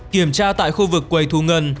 kiểm tra tại khu vực quầy thu ngân